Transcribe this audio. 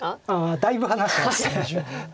だいぶ離してました。